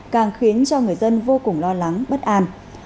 càng khiến cho người dân vô cùng lo lắng bất an